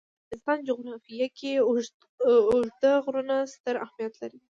د افغانستان جغرافیه کې اوږده غرونه ستر اهمیت لري.